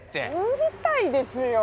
うるさいですよ！